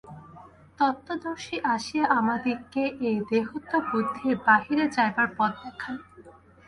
তত্ত্বদর্শী আসিয়া আমাদিগকে এই দেহাত্মবুদ্ধির বাহিরে যাইবার পথ দেখান।